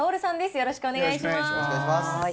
よろしくお願いします。